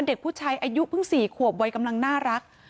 เด็กผู้ชายอายุเพิ่ง๔ขวบวัยกำลังน่ารัก